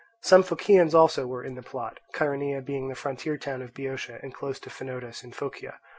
Some Phocians also were in the plot, Chaeronea being the frontier town of Boeotia and close to Phanotis in Phocia.